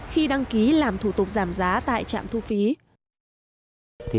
khi đăng ký làm thủ tục giảm giá tại trạm thu phí